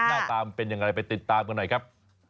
หน้าตามเป็นอย่างไรไปติดตามกันหน่อยครับ